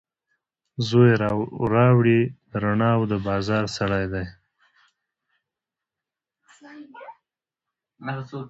زوی یې راوړي، د رڼاوو دبازار سړی دی